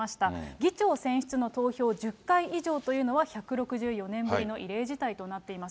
議長選出の投票１０回以上というのは１６４年ぶりの異例事態となっています。